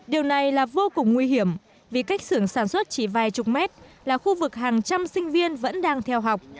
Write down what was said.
điều này là vô cùng nguy hiểm vì cách xưởng sản xuất chỉ vài chục mét là khu vực hàng trăm sinh viên vẫn đang theo học